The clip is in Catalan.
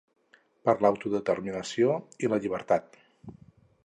Per l’autodeterminació i la llibertat!